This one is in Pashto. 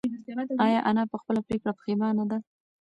ایا انا په خپله پرېکړه پښېمانه ده؟